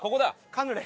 カヌレ。